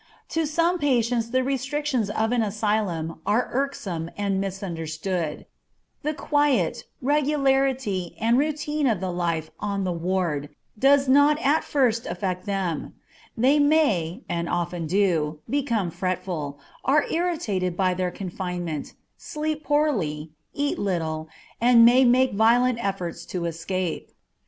To some patients the restrictions of an asylum are irksome and misunderstood; the quiet, regularity, and routine of the life on the ward does not at first affect them; they may, and often do, become fretful, are irritated by their confinement, sleep poorly, eat little, and may make violent efforts to escape.